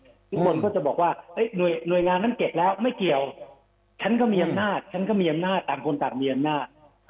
ทุกคนก็จะบอกว่าหน่วยงานนั้นเก็บแล้วไม่เกี่ยวฉันก็มีอำนาจฉันก็มีอำนาจต่างคนต่างมีอำนาจ